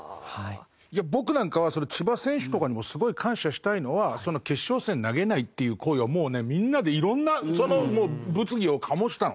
僕なんかは千葉選手とかにもすごい感謝したいのは決勝戦投げないっていう行為はもうねみんなで色んな物議を醸したの。